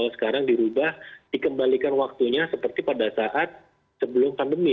sekarang dirubah dikembalikan waktunya seperti pada saat sebelum pandemi